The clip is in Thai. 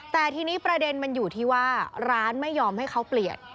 แต่ทีนี้ประเด็นมันอยู่ที่ว่าร้านไม่ยอมให้เขาเปลี่ยน